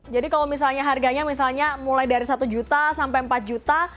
jadi kalau misalnya harganya misalnya mulai dari satu juta sampai empat juta